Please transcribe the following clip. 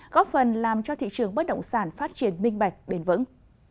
góp phần làm cho thị trường bất động sản phát triển minh bạch bền vững